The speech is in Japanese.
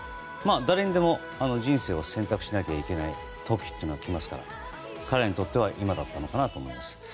誰にでも人生を選択しないといけない時はきますから彼らにとっては今だったのかなと思います。